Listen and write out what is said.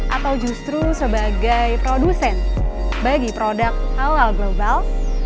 atau justru sebagai produsen bagi produk halal global